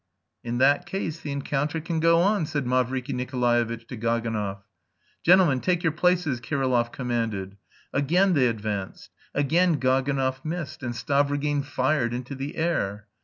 "In that case the encounter can go on," said Mavriky Nikolaevitch to Gaganov. "Gentlemen, take your places," Kirillov commanded. Again they advanced, again Gaganov missed and Stavrogin fired into the air.